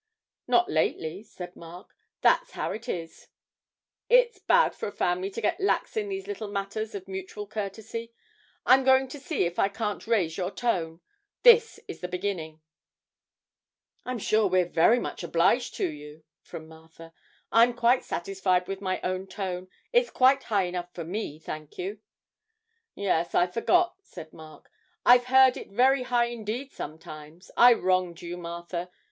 'Not lately,' said Mark; 'that's how it is it's bad for a family to get lax in these little matters of mutual courtesy. I'm going to see if I can't raise your tone this is the beginning.' 'I'm sure we're very much obliged to you,' from Martha; 'I'm quite satisfied with my own tone, it's quite high enough for me, thank you.' 'Yes, I forgot,' said Mark, 'I've heard it very high indeed sometimes. I wronged you, Martha.